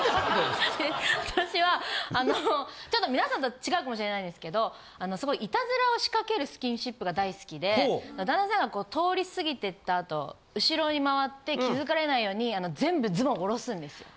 私はちょっと皆さんとは違うかもしれないんですけどすごいイタズラを仕掛けるスキンシップが大好きで旦那さんが通り過ぎてった後後ろに回って気付かれないように全部ズボンおろすんですよ。